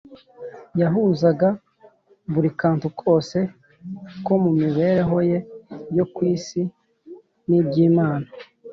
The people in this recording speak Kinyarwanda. , yahuzaga buri kantu kose ko mu mibereho ye yo ku isi n’ibyo Imana